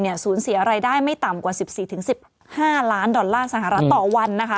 สูญเสียรายได้ไม่ต่ำกว่า๑๔๑๕ล้านดอลลาร์สหรัฐต่อวัน